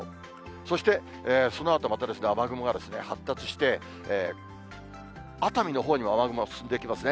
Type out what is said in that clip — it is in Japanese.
そして、そのあとまた、雨雲が発達して、熱海のほうにも雨雲が進んできますね。